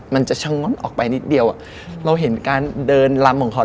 มันจะชะงดออกไปนิดเดียวเราเห็นการเดินลำของเขา